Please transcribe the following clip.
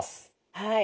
はい。